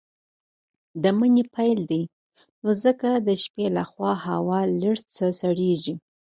د مني پيل دی نو ځکه د شپې لخوا هوا لږ څه سړييږي.